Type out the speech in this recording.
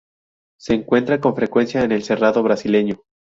Se encuentra con frecuencia en el Cerrado brasileño.